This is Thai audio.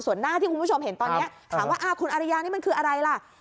ส่วนหน้าที่คุณผู้ชมเห็นตอนนี้ถามว่าคุณอริยานี่มันคืออะไรล่ะ